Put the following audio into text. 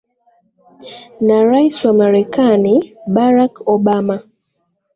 na rais wa marekani barack obama